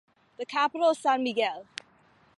The capital is San Miguel.